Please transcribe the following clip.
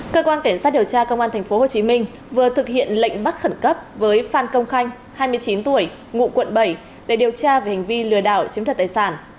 cơ quan cảnh sát điều tra công an tp hcm vừa thực hiện lệnh bắt khẩn cấp với phan công khanh hai mươi chín tuổi ngụ quận bảy để điều tra về hành vi lừa đảo chiếm thật tài sản